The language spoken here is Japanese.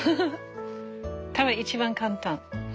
多分一番簡単。